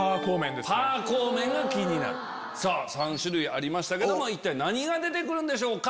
３種類ありましたけども一体何が出てくるんでしょうか？